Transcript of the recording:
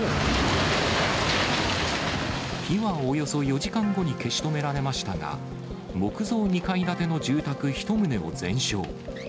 火はおよそ４時間後に消し止められましたが、木造２階建ての住宅１棟を全焼。